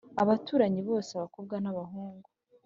abaturanyi bose abakobwa nabahungu